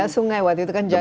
sungai waktu itu kan